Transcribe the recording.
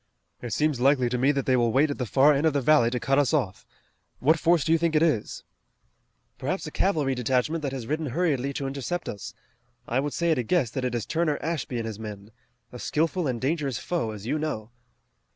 It seems likely to me that they will wait at the far end of the valley to cut us off. What force do you think it is?" "Perhaps a cavalry detachment that has ridden hurriedly to intercept us. I would say at a guess that it is Turner Ashby and his men. A skillful and dangerous foe, as you know."